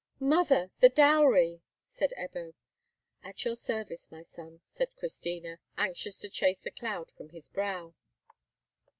"Mother, the dowry," said Ebbo. "At your service, my son," said Christina, anxious to chase the cloud from his brow.